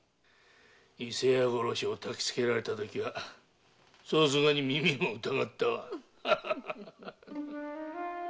伊勢屋殺しをたき付けられたときはさすがに耳を疑ったわ。